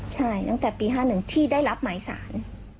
ใช่ตั้งแต่ปี๕๑ที่ได้รับหมายสาร